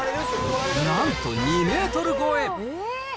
なんと２メートル越え。